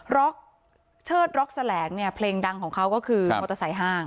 ็อกเชิดร็อกแสลงเนี่ยเพลงดังของเขาก็คือมอเตอร์ไซค์ห้าง